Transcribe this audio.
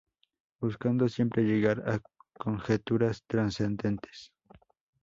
Buscando siempre llegar a conjeturas trascendentes.